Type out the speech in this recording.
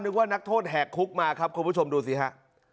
ว่านักโทษแหกคุกมาครับคุณผู้ชมดูสิฮะ